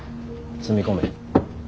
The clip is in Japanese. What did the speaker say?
積み込め。